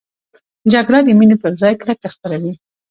جګړه د مینې پر ځای کرکه خپروي